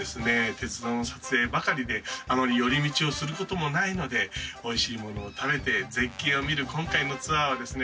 鉄道の撮影ばかりであまり寄り道をすることもないのでおいしいものを食べて絶景を見る今回のツアーはですね